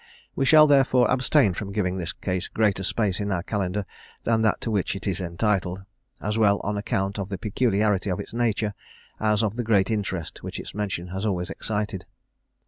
We shall, therefore, abstain from giving this case greater space in our Calendar than that to which it is entitled, as well on account of the peculiarity of its nature, as of the great interest which its mention has always excited.